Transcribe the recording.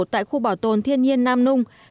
tại khu bảo tồn thiên nhiên nam nông